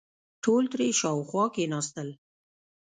ټول ترې شاوخوا کېناستل.